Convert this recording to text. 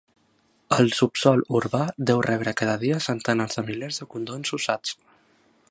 El subsòl urbà deu rebre cada dia centenars de milers de condons usats.